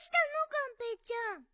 がんぺーちゃん。